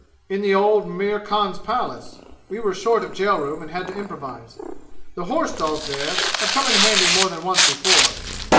"In the old Mir Khan Palace. We were short of jail room and had to improvise. The horse stalls there have come in handy more than once before.